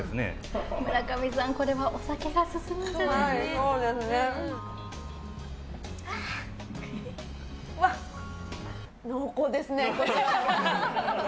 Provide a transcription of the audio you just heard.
村上さん、これはお酒が進むんじゃないですか？